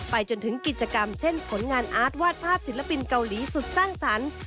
จนถึงกิจกรรมเช่นผลงานอาร์ตวาดภาพศิลปินเกาหลีสุดสร้างสรรค์